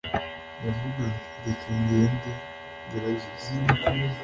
ndavuga nti reka ngende ngerageze